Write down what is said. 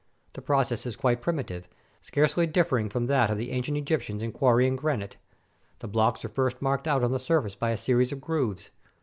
The process is quite primitive, scarcely differing from that of the ancient Egyptians in quarrying granite. The blocks are first marked out on the surface by a series of grooves.